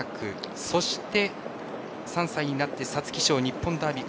そして、３歳になって皐月賞、日本ダービー